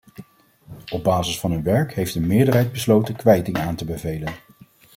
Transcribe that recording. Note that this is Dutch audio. Op basis van hun werk heeft een meerderheid besloten kwijting aan te bevelen.